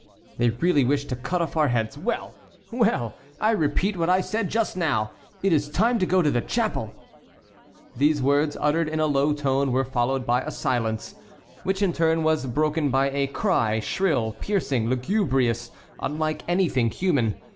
They really wish to cut off our heads. Well! well! I repeat what I said just now, it is time to go to chapel." These words, uttered in a low tone, were followed by a silence, which in turn was broken by a cry, shrill, piercing, lugubrious, unlike anything human.